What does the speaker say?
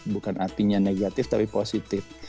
bukan artinya negatif tapi positif